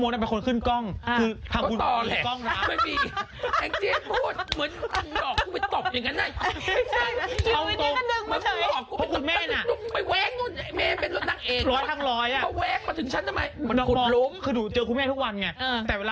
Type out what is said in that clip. ตัวจริงสวยกว่าในทีวี